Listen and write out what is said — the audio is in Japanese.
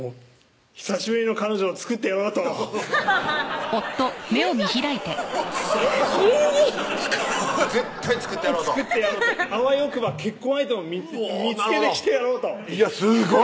久しぶりの彼女を作ってやろうと目が急に絶対作ってやろうと作ってやろうとあわよくば結婚相手を見つけてきてやろうといやすごい！